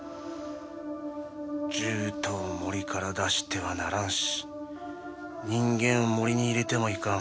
獣人を森から出してはならんし人間を森に入れてもいかん。